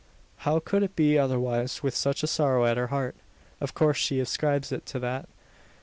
How could it be otherwise, with such a sorrow at her heart? Of course he ascribes it to that.